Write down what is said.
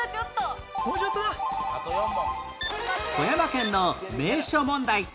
富山県の名所問題